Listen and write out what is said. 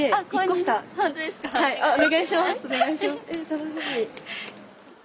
楽しみ。